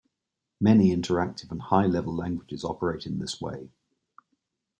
Many interactive and high-level languages operate in this way.